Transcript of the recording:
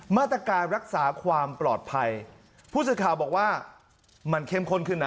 มาตรการรักษาความปลอดภัยผู้สื่อข่าวบอกว่ามันเข้มข้นขึ้นนะ